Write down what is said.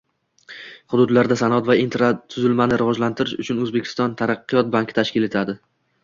Hududlarda sanoat va infratuzilmani rivojlantirish uchun O‘zbekiston taraqqiyot banki tashkil etiladi.